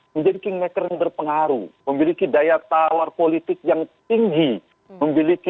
menjadi kingmaker yang berpengaruh memiliki daya tawar politik yang tinggi